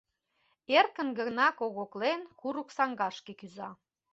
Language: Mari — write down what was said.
Эркын гына когоклен, курык саҥгашке кӱза.